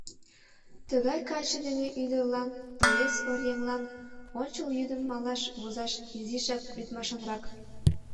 Тыгай каче дене ӱдырлан, тоес оръеҥлан, ончыл йӱдым малаш возаш изишак лӱдмашанрак.